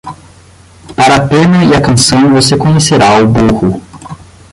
Para a pena e a canção você conhecerá o burro.